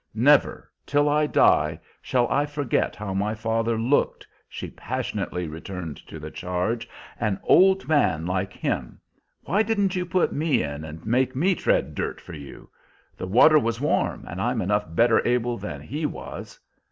Never, till I die, shall I forget how my father looked," she passionately returned to the charge. "An old man like him! Why didn't you put me in and make me tread dirt for you? The water was warm; and I'm enough better able than he was!"